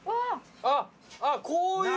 あっこういう！